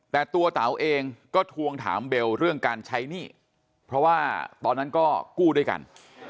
แต่ตัวเต๋าเองก็ทวงถามเบลเรื่องการใช้หนี้เพราะว่าตอนนั้นก็กู้ด้วยกัน